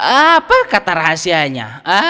apa kata rahasianya